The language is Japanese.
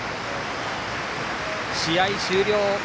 試合終了。